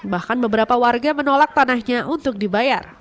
bahkan beberapa warga menolak tanahnya untuk dibayar